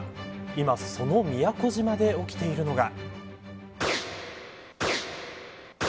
今、その宮古島で起きているのが。